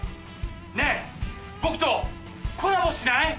ねぇ僕とコラボしない？